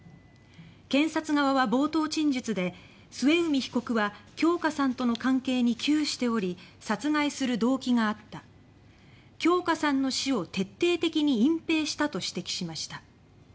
検察側は冒頭陳述で「末海被告は京花さんとの関係に窮しており殺害する動機があった京花さんの死を徹底的に隠蔽した」と指摘しました。